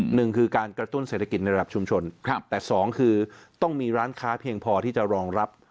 หนึ่งคือการกระตุ้นเศรษฐกิจในระดับชุมชนครับแต่สองคือต้องมีร้านค้าเพียงพอที่จะรองรับ